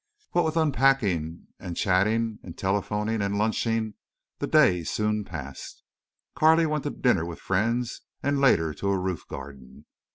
What with unpacking and chatting and telephoning and lunching, the day soon passed. Carley went to dinner with friends and later to a roof garden.